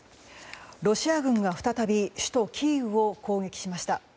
ロシア軍が再び首都キーウを攻撃しました。